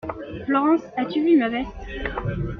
Florence, as-tu vu ma veste?